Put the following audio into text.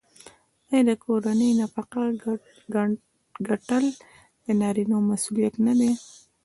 آیا د کورنۍ نفقه ګټل د نارینه مسوولیت نه دی؟